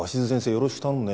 よろしく頼むね。